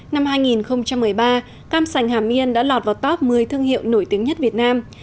năm hai nghìn một mươi ba cam sành hàm yên đã lọt vào top một mươi thương hiệu nổi tiếng nhất việt nam